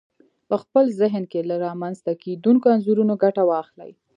په خپل ذهن کې له رامنځته کېدونکو انځورونو ګټه واخلئ.